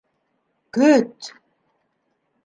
Көт!